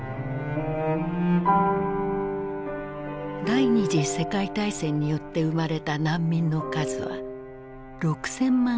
第二次世界大戦によって生まれた難民の数は６，０００万以上といわれる。